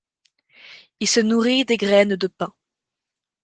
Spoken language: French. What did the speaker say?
Il se nourrit des graines de pin.